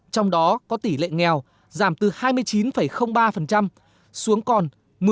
trong đó có tỷ lệ nghèo giảm từ hai mươi chín ba xuống còn một mươi tám mươi hai